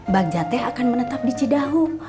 bagja teh akan menetap di cidahu